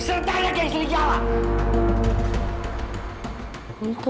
ketika di rumah